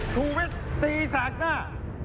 ชุวิตตีสักหน้า